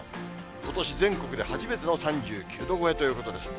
ことし全国で初めての３９度超えということです。